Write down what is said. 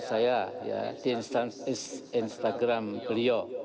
saya ya di instagram beliau